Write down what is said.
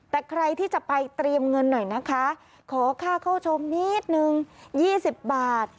แต่ใครที่จะไปเตรียมเงินหน่อยนะคะขอค่าเข้าชมนิดนึง๒๐บาท